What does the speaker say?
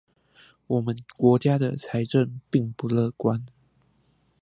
我們國家的財政並不樂觀